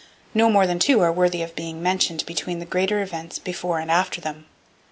No more than two are worthy of being mentioned between the greater events before and after them.